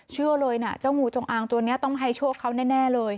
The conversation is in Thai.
เชื่อเลยนะเจ้างูจงอางตัวนี้ต้องให้โชคเขาแน่เลย